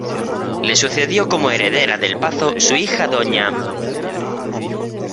Le sucedió como heredera del Pazo su hija Dª.